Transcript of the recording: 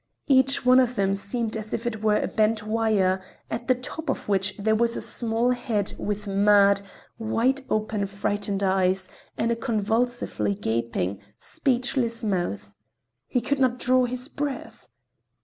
Each one of them seemed as if it were a bent wire, at the top of which there was a small head with mad, wide open frightened eyes and a convulsively gaping, speechless mouth. He could not draw his breath.